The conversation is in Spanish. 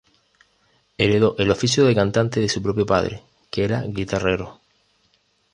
Heredó el oficio de cantante de su propio padre, que era guitarrero.